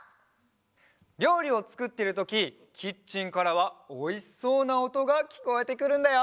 りょうりをつくってるときキッチンからはおいしそうなおとがきこえてくるんだよ。